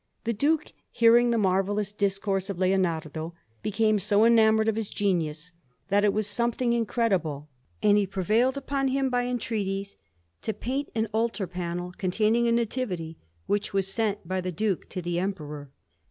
The Duke, hearing the marvellous discourse of Leonardo, became so enamoured of his genius, that it was something incredible: and he prevailed upon him by entreaties to paint an altar panel containing a Nativity, which was sent by the Duke to the Emperor.